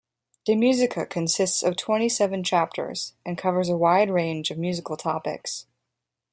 "De musica" consists of twenty-seven chapters, and covers a wide range of musical topics.